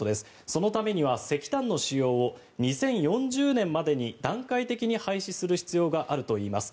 そのためには石炭の使用を２０４０年までに段階的に廃止する必要があるといいます。